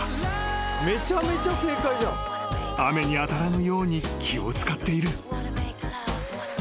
［雨に当たらぬように気を使っている］